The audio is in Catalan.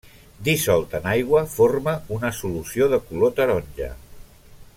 Dissolt en aigua forma una solució de color taronja.